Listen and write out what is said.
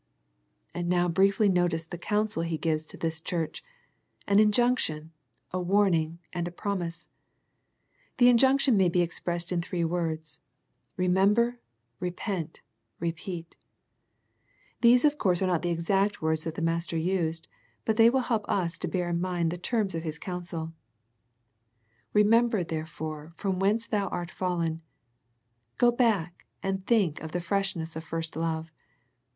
And now briefly notice the counsel He gives to this church, an injunction, a warning, and a promise. The injunction may be expressed in three words. Remember, Repent, and Re peat. These of course are not the exact words that the Master used, but they will help us to bear in mind the terms of His counsel. " Remember therefore from whence thou art fallen," go back and think of the freshness of first love.